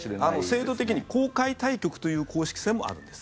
制度的に公開対局という公式戦もあるんです。